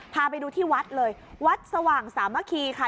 พาไปดูที่วัดเลยวัดสว่างสามัคคีค่ะ